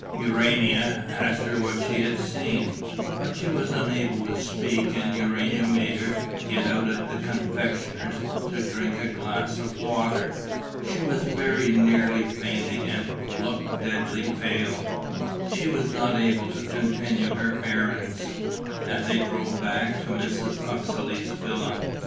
Urania asked her what she had seen, but she was unable to speak and Urania made her get out at a confectioner's to drink a glass of water. She was very nearly fainting and looked deathly pale. She was not able to continue her errands; and they drove back to Mrs. Uxeley's villa.